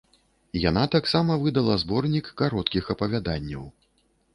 Яна таксама выдала зборнік кароткіх апавяданняў.